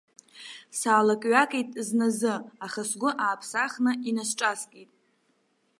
Саалакҩакит зназы, аха сгәы ааԥсахны инасҿаскит.